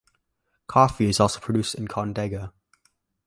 Coffee is also produced in Condega.